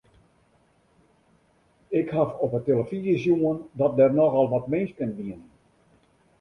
Ik haw op 'e telefyzje sjoen dat der nochal wat minsken wiene.